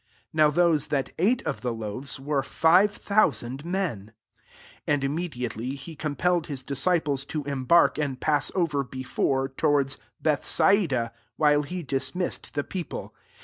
44 Now those that ate of the loaves were five thousand in en. 45 And immediately, he com pelled his disciples to embark and pass over before, towards Bethsalday while he dismissed the people.